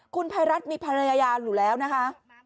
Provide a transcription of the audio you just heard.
คุณภัยรัฐมีภรรยาอยู่แล้วนะคะ